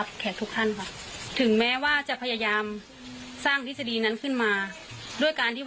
น้องเดินตั้งแต่วันที่๑๑โดยที่ไม่ได้กินข้าวกินน้ำกินอะไรเลย